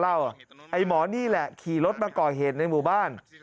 ไอ้หมอนี่แหละขี่รถมาก่อเหตุในหมู่บ้าน